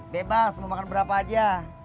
bebas mau makan berapa aja